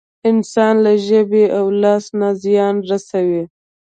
انسان له ژبې او لاس نه زيان رسوي.